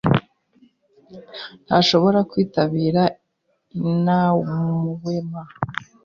ntashobora kwitabira inawema.